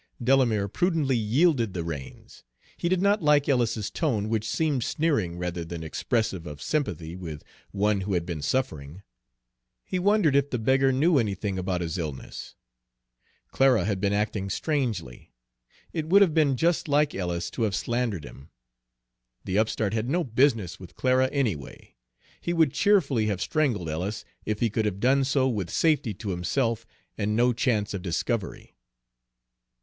Delamere prudently yielded the reins. He did not like Ellis's tone, which seemed sneering rather than expressive of sympathy with one who had been suffering. He wondered if the beggar knew anything about his illness. Clara had been acting strangely. It would have been just like Ellis to have slandered him. The upstart had no business with Clara anyway. He would cheerfully have strangled Ellis, if he could have done so with safety to himself and no chance of discovery.